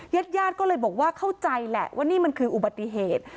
ญาติญาติก็เลยบอกว่าเข้าใจแหละว่านี่มันคืออุบัติเหตุ